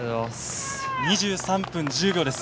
２３分１０秒です。